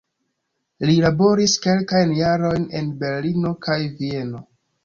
Li laboris kelkajn jarojn en Berlino kaj Vieno.